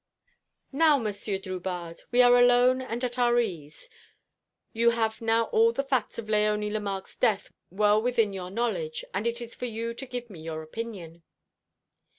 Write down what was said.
"Now, Monsieur Drubarde, we are alone and at our ease. You have now all the facts of Léonie Lemarque's death well within your knowledge; and it is for you to give me your opinion."